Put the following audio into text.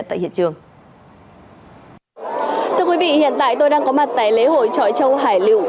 thưa quý vị hiện tại tôi đang có mặt tại lễ hội chọi châu hải lụ